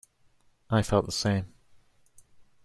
I felt the same.